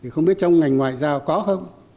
không biết trong ngành ngoại giao có không